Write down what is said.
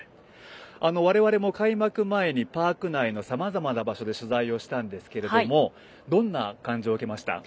我々も開幕前にパーク内のさまざまな場所で取材をしたんですけれどもどんな感じを受けました？